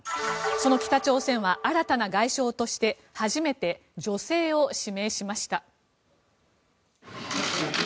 その北朝鮮は新たな外相として初めて女性を指名しました。